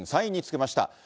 ３位につけました。